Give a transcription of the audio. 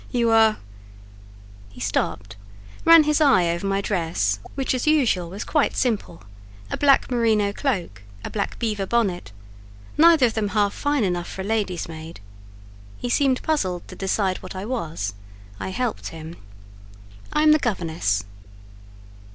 You are—" He stopped, ran his eye over my dress, which, as usual, was quite simple: a black merino cloak, a black beaver bonnet; neither of them half fine enough for a lady's maid. He seemed puzzled to decide what I was; I helped him. "I am the governess."